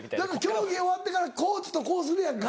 競技終わってからコーチとこうするやんか。